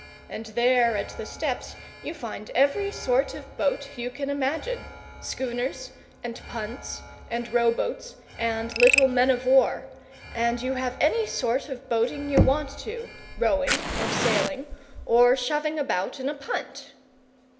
And there at the steps you find every sort of boat you can imagine schooners, and punts, and row boats, and little men of war. And you have any sort of boating you want to rowing, or sailing, or shoving about in a punt!"